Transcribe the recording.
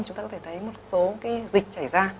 chúng ta có thể thấy một số dịch chảy ra